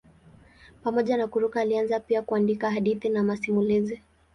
Pamoja na kuruka alianza pia kuandika hadithi na masimulizi.